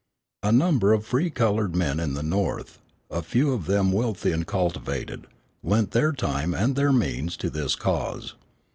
A number of free colored men in the North, a few of them wealthy and cultivated, lent their time and their means to this cause.